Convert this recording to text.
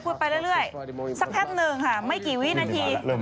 ไปเรื่อยสักแพบหนึ่งค่ะไม่กี่วินาที